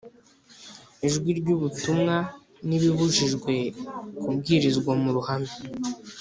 ijwi ry ubutumwa n ibibujijwe kubwirizwa mu ruhame